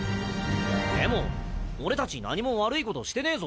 でも俺たち何も悪いことしてねえぞ。